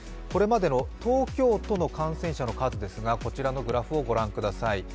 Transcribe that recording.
これまでの東京都の感染者の数ですが、こちらのグラフを御覧ください。